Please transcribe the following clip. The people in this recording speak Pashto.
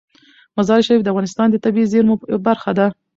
مزارشریف د افغانستان د طبیعي زیرمو برخه ده.